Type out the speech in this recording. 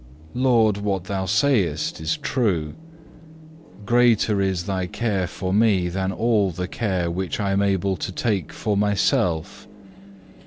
2. Lord, what Thou sayest is true. Greater is Thy care for me than all the care which I am able to take for myself.